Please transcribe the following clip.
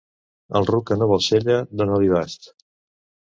Al ruc que no vol sella, dona-li bast.